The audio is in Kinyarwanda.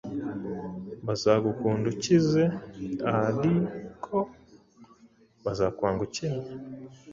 Bazagukunda ukize arko bazakwanga ukennye